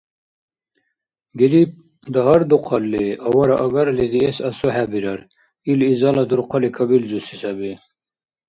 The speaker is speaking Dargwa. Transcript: Грипп дагьардухъалли, авараагарли диэс асухӏебирар. Ил изала дурхъали кабилзуси саби.